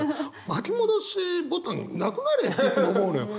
巻き戻しボタンなくなれっていつも思うのよ。